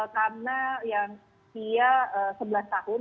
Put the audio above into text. karena yang dia sebelas tahun